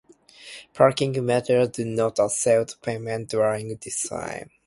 Parking meters do not accept payment during these times.